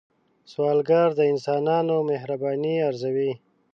سوالګر د انسانانو مهرباني ارزوي